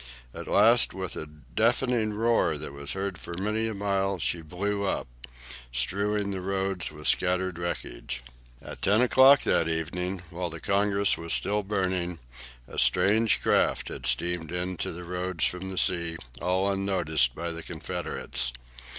At last, with a deafening roar that was heard for many a mile, she blew up, strewing the Roads with scattered wreckage. At ten o'clock that evening, while the "Congress" was still burning, a strange craft had steamed into the Roads from the sea, all unnoticed by the Confederates.